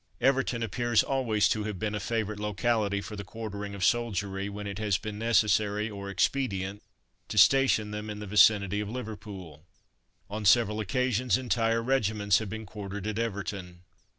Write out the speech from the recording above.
Everton appears always to have been a favourite locality for the quartering of soldiery, when it has been necessary or expedient to station them in the vicinity of Liverpool. On several occasions entire regiments have been quartered at Everton.